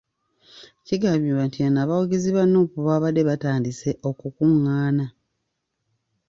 Kigambibwa nti eno abawagizi ba Nuupu babadde baatandise okukung'ana.